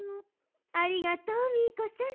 ありがとうミーコさん。